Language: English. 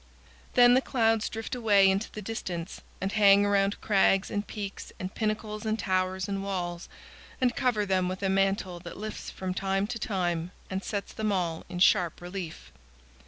Then the clouds drift away into the distance, and hang around crags and peaks and pinnacles and towers and walls, and cover them with a mantle that lifts from time to time and sets them all in sharp relief.